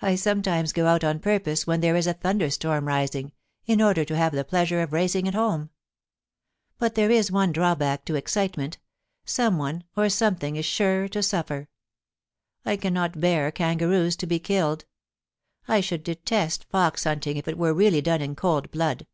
I sometimes go out on purpose when there is a thunderstorm rising, in order to have the pleasure of racing it home. ... But there is one drawback to excitement — some one, or something, is sure to suffer. I cannot bear kangaroos to be killed. I should detest fox hunting if it were really done in cold blood.